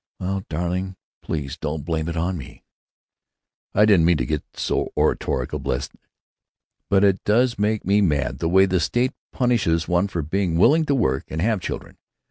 "Well, darling, please don't blame it on me." "I didn't mean to get so oratorical, blessed. But it does make me mad the way the state punishes one for being willing to work and have children.